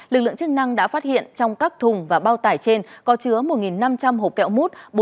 lực lượng chức năng đã phát hiện trong các thùng và bao tải trên có chứa một năm trăm linh hộp kẹo mút